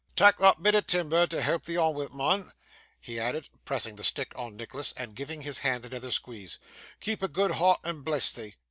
'Tak' that bit o' timber to help thee on wi', mun,' he added, pressing his stick on Nicholas, and giving his hand another squeeze; 'keep a good heart, and bless thee.